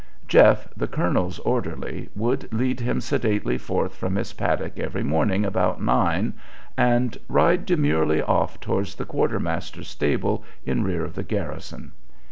"Jeff," the colonel's orderly, would lead him sedately forth from his paddock every morning about nine, and ride demurely off towards the quartermaster's stables in rear of the garrison.